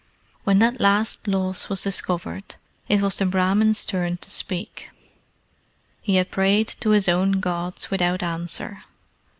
When that last loss was discovered, it was the Brahmin's turn to speak. He had prayed to his own Gods without answer.